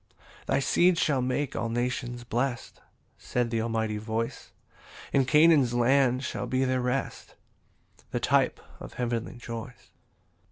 4 "Thy seed shall make all nations blest," (Said the Almighty voice) "And Canaan's land shall be their rest, "The type of heavenly joys."